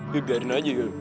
biarin aja ya bapak